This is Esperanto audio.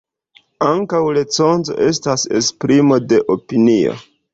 Ankaŭ recenzo estas esprimo de opinio.